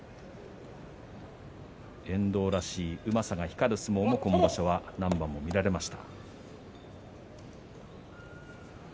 遠藤らしいうまさが光る相撲も今場所は何番も見られました。